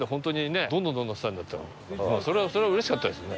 それはうれしかったですよね。